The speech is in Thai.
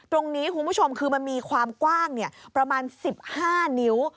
คุณผู้ชมคือมันมีความกว้างประมาณ๑๕นิ้ว